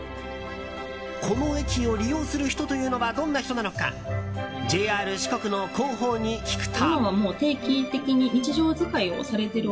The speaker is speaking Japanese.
この駅を利用する人というのはどんな人なのかＪＲ四国の広報に聞くと。